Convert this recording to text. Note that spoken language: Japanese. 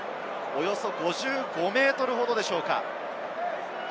およそ５５ｍほどでしょうか。